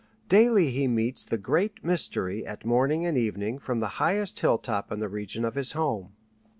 Daily he meets the "Great Mystery" at morning and evening from the highest hilltop in the region of his home.